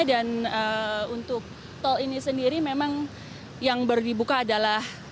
dan untuk tol ini sendiri memang yang berdibuka adalah